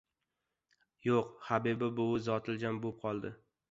— Yo‘q. Habiba buvi zotiljam bo‘p qopti.